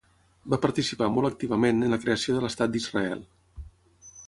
Va participar molt activament en la creació de l'Estat d'Israel.